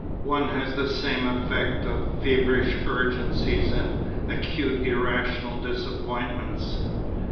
One has the same effect of feverish urgencies and acute irrational disappointments.